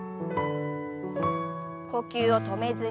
呼吸を止めずに。